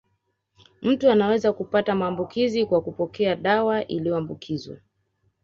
Mtu anaweza kupata maambukizi kwa kupokea dawa iliyoambukizwa